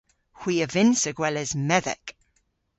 Hwi a vynnsa gweles medhek.